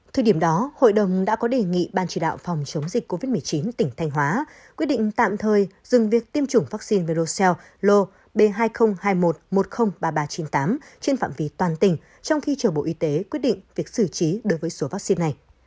thời điểm đó hội đồng đã có đề nghị ban chỉ đạo phòng chống dịch covid một mươi chín tỉnh thanh hóa quyết định tạm thời dừng việc tiêm chủng vắc xin virocell lo b hai nghìn hai mươi một một trăm linh ba nghìn ba trăm chín mươi tám trên phạm ví toàn tỉnh trong khi chờ bộ y tế quyết định việc xử trí đối với số vắc xin này